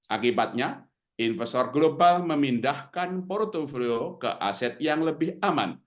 akibatnya investor global memindahkan portfolio ke aset yang lebih aman